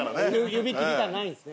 指切りたないんですね。